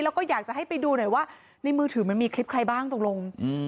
แล้วก็อยากจะให้ไปดูหน่อยว่าในมือถือมันมีคลิปใครบ้างตกลง